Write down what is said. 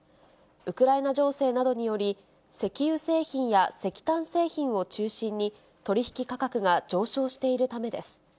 ウクライナ情勢などにより、石油製品や石炭製品を中心に取り引き価格が上昇しているためです。